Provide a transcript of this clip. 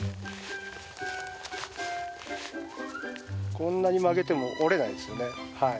こんなに曲げても折れないんですね。